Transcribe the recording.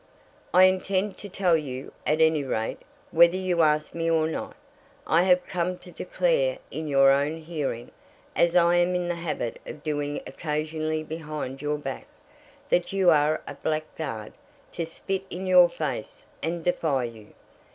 "I intend to tell you, at any rate, whether you ask me or not. I have come to declare in your own hearing, as I am in the habit of doing occasionally behind your back, that you are a blackguard, to spit in your face, and defy you."